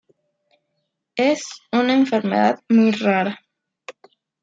Es una enfermedad muy rara.